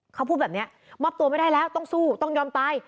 เขาพูดแบบนี้มอบตัวไม่ได้แล้วต้องสู้ต้องยอมตาย